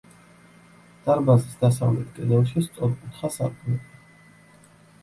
დარბაზის დასავლეთ კედელში სწორკუთხა სარკმელია.